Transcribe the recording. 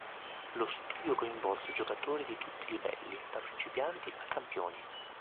Lo studio coinvolse giocatori di tutti i livelli, da principianti a campioni.